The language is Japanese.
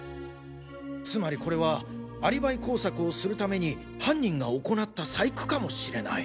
つまりこれはアリバイ工作をするために犯人が行った細工かもしれない。